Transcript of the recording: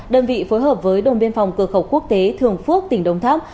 đơn vị phối hợp với đồn biên phòng cửa khẩu quốc tế thường phước tỉnh đồng tháp